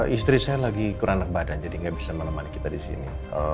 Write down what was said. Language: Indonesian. istri saya lagi kurang enak badan jadi nggak bisa menemani kita di sini